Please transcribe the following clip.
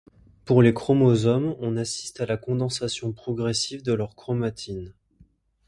Pour les chromosomes, on assiste à la condensation progressive de leur chromatine.